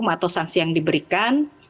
atau sangsi yang diberikan